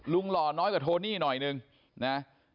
หล่อน้อยกว่าโทนี่หน่อยนึงนะ